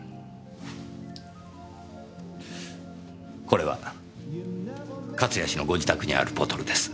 これは勝谷氏のご自宅にあるボトルです。